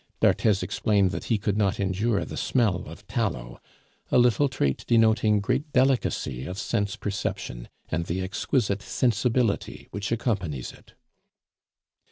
D'Arthez explained that he could not endure the smell of tallow, a little trait denoting great delicacy of sense perception, and the exquisite sensibility which accompanies it.